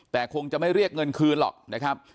แต่คงจะไม่เรียกเงินคืนหรอกนะครับ